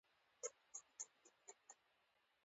دا د اردن سیند او مدیترانې بحیرې تر منځ پرته ده.